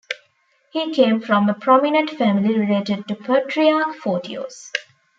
He came from a prominent family related to Patriarch Photios.